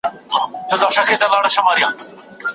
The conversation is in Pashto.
او له مځکي خړ ګردونه بادېدله